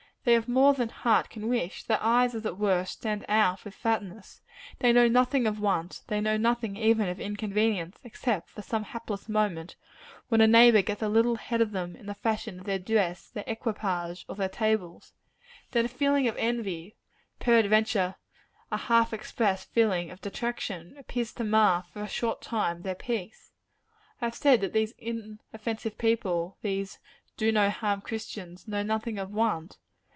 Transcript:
They have more than heart can wish: their eyes, as it were, stand out with fatness. They know nothing of want: they know nothing even of inconvenience except for some hapless moment, when a neighbor gets a little ahead of them in the fashion of their dress, their equipage, or their tables. Then a feeling of envy peradventure a half expressed feeling of detraction appears to mar, for a short time, their peace. I have said that these inoffensive people these do no harm Christians know nothing of want.